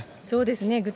そうですね。